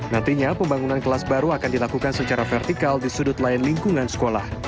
nantinya pembangunan kelas baru akan dilakukan secara vertikal di sudut lain lingkungan sekolah